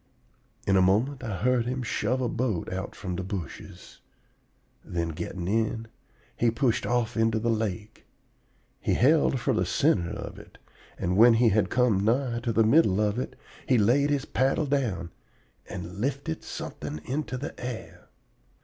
In a moment I heard him shove a boat out from the bushes; then, getting in, he pushed off into the lake. He held for the center of it; and when he had come nigh to the middle of it, he laid his paddle down, and lifted something into the air.